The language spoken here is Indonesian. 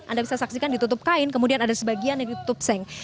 anda bisa saksikan ditutup kain kemudian ada sebagian yang ditutup seng